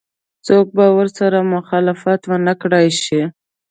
څوک به ورسره مخالفت ونه کړای شي.